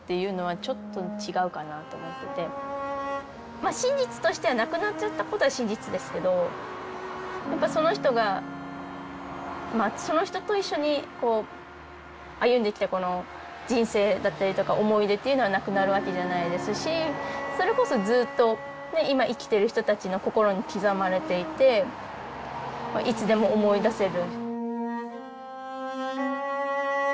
まあ真実としては亡くなっちゃったことは真実ですけどやっぱその人がその人と一緒に歩んできた人生だったりとか思い出というのはなくなるわけじゃないですしそれこそずっと今生きてる人たちの心に刻まれていていつでも思い出せる。